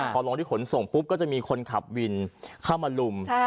พอลงที่ขนส่งปุ๊บก็จะมีคนขับวินเข้ามาลุม